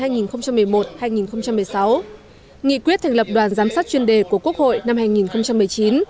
nghị quyết thành lập đoàn giám sát chuyên đề của quốc hội năm hai nghìn một mươi chín